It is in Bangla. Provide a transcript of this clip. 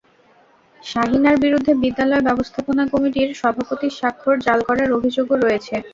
শাহীনার বিরুদ্ধে বিদ্যালয় ব্যবস্থাপনা কমিটির সভাপতির স্বাক্ষর জাল করার অভিযোগও রয়েছে।